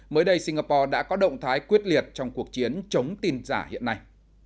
mới đây singapore đã có động thái quyết liệt trong cuộc chiến chống tin giả hiện nay